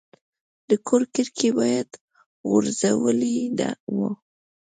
د کور کړکۍ باد غورځولې وه.